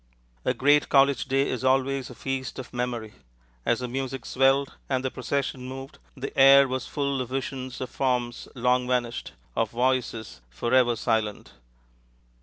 A great college day is always a feast of memory. As the music swelled and the procession moved, the air was full of visions of forms long vanished, of voices forever silent.